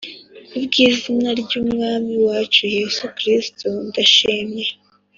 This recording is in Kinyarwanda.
ku bw izina ry Umwami wacu Yesu Kristo ndashimye